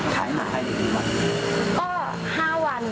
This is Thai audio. ขายมากี่วัน